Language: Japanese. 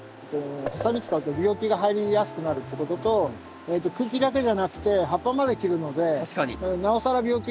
ハサミ使うと病気が入りやすくなるっていうことと茎だけじゃなくて葉っぱまで切るのでなおさら病気が入りやすくなるんで。